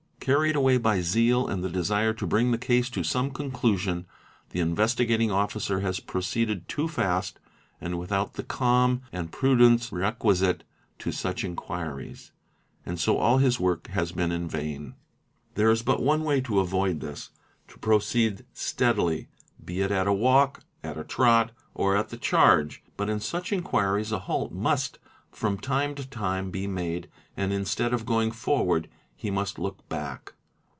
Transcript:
Carried away by zeal and the desire to bring the case to some conclusion, the Investigating Officer has proceeded too fast and without 21 (A ND te LI. 0 A the calm and prudence requisite to such inquiries, and so all his work has ae been in vain. There is but one way to avoid this, to proceed "steadily "', be it at a walk, at a trot, or at the charge; but in such inquiries a halt inust from time to time be made and instead of going forward he must look back.